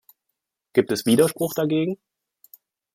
Gibt es Widerspruch dagegen?